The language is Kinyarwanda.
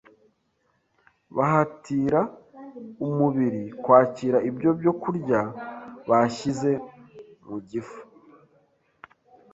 bahatira umubiri kwakira ibyo byokurya bashyize mu gifu.